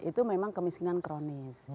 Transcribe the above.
itu memang kemiskinan kronis